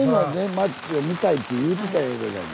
町を見たいって言うてたやけども。